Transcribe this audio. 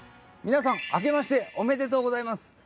皆さんあけましておめでとうございます。